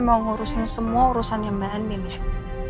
mau ngurusin semua urusannya mbak amin ya